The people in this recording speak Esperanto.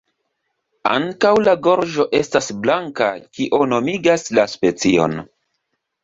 Ankaŭ la gorĝo estas blanka, kio nomigas la specion.